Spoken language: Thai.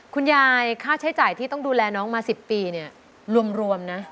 คุณยายค่าใช้จ่ายที่ต้องดูแลน้องมา๑๐ปีเนี่ยรวมนะ